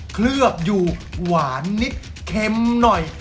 เคลือบอยู่หวานนิดเค็มหน่อย